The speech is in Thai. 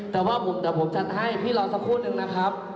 แต่ว่าเดี๋ยวผมจัดให้พี่รอสักครู่นึงนะครับ